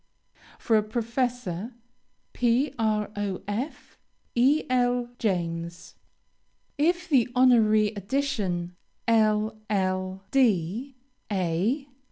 For a professor: PROF. E. L. JAMES. If the honorary addition, LL.D., A.